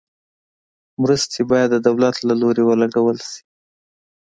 مرستې باید د دولت له لوري ولګول شي.